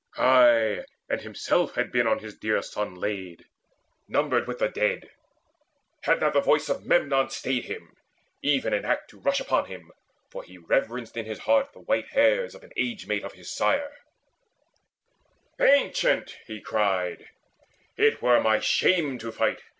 Ay, and himself had been on his dear son Laid, numbered with the dead, had not the voice Of Memnon stayed him even in act to rush Upon him, for he reverenced in his heart The white hairs of an age mate of his sire: "Ancient," he cried, "it were my shame to fight.